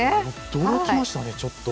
驚きましたね、ちょっと。